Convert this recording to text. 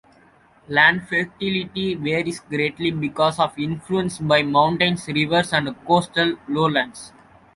Land fertility varies greatly because of influence by mountains, rivers and coastal lowlands.